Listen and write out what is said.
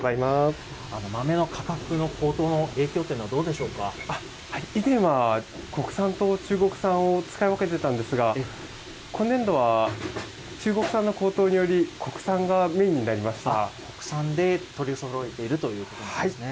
豆の価格の高騰の影響という以前は国産と中国産を使い分けていたんですが、今年度は、中国産の高騰により、国産がメイン国産で取りそろえているということなんですね。